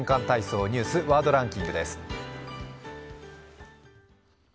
体操」、ニュース、ワードランキングです。